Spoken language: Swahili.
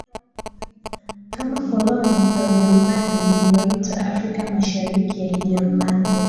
kama koloni la Ujerumani lililoitwa Afrika ya Mashariki ya Kijerumani